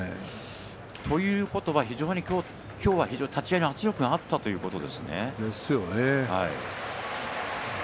ということは今日は立ち合いの圧力があったということです。